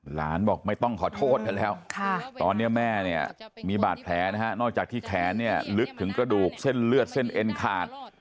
หลานบอกไม่ต้องขอโทษเธอแล้วตอนนี้แม่เนี่ยมีบาดแผลนะฮะนอกจากที่แขนเนี่ยลึกถึงกระดูกเส้นเลือดเส้นเอ็นขาด